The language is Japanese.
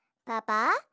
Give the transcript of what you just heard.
パパ